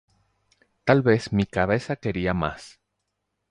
Tal vez en mi cabeza quería más".